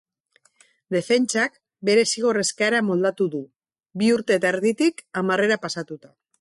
Defentsak bere zigor-eskaera moldatu du, bi urte eta erditik hamarrera pasatuta.